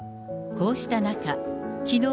こうした中、きのう、